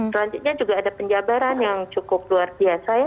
selanjutnya juga ada penjabaran yang cukup luar biasa ya